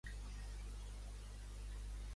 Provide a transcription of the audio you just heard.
A quin país ha superat, segons Bueno?